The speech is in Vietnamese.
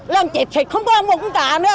làm chép hết không có ăn bộ cũng cả nữa